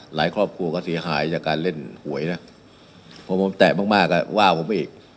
ครอบครัวก็เสียหายจากการเล่นหวยนะพอผมแตะมากมากอ่ะว่าผมไปอีก